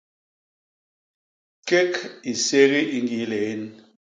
Kék i ségi i ñgii lién.